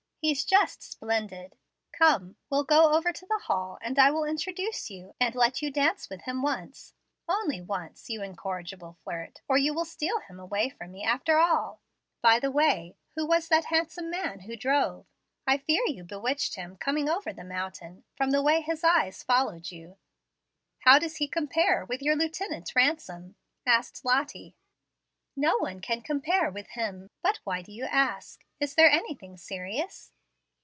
He's just splendid! Come, we'll go over to the hall, and I will introduce you, and let you dance with him once, only once, you incorrigible flirt, or you will steal him away from me after all. By the way, who was that handsome man who drove? I fear you bewitched him coming over the mountain, from the way his eyes followed you." "How does he compare with your Lieutenant Ransom?" asked Lottie. "No one can compare with him. But why do you ask? Is there anything serious?"